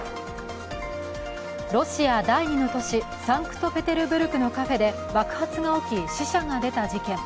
ロシア第２の都市、サンクトペテルブルクのカフェで爆発が起き、死者が出た事件。